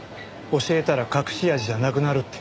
教えたら隠し味じゃなくなるって。